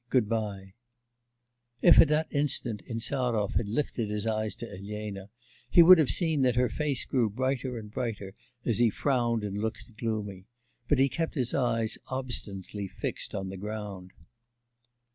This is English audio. Goodbye.' If, at that instant, Insarov had lifted his eyes to Elena, he would have seen that her face grew brighter and brighter as he frowned and looked gloomy; but he kept his eyes obstinately fixed on the ground.